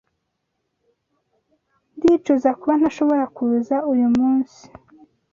Ndicuza kuba ntashobora kuza uyu munsi.